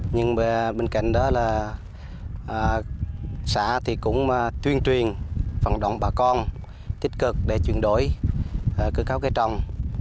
nhưng bên cạnh đó là xã thì cũng tuyên truyền vận động bà con tích cực để chuyển đổi cơ cấu cây trồng